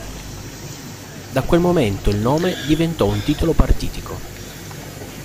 Da quel momento il nome diventò un titolo partitico.